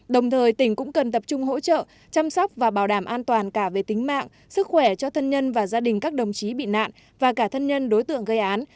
đồng thời tỉnh cũng cần tập trung hỗ trợ chăm sóc và bảo đảm an toàn cả về tính mạng sức khỏe cho thân nhân và gia đình các đồng chí bị nạn và cả thân nhân đối tượng gây án